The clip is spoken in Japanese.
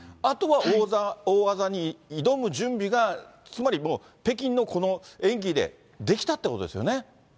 あとは大技に挑む準備が、つまりもう、北京のこの演技でできたってことですよね。